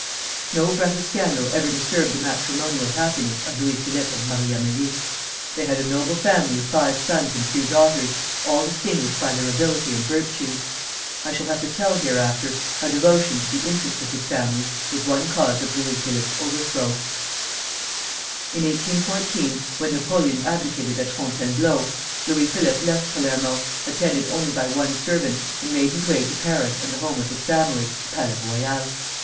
No breath of scandal ever disturbed the matrimonal happiness of Louis Philippe and Marie Amélie. They had a noble family of five sons and three daughters, all distinguished by their ability and virtues. I shall have to tell hereafter how devotion to the interests of his family was one cause of Louis Philippe's overthrow. In 1814, when Napoleon abdicated at Fontainebleau; Louis Philippe left Palermo, attended only by one servant, and made his way to Paris and the home of his family, the Palais Royal.